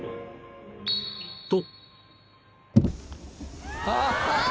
［と］